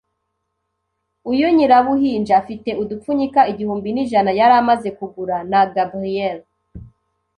uyu Nyirabuhinja afite udupfunyika igihumbi nijana yari amaze kugura na Gabriel